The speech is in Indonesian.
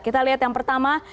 kita lihat yang pertama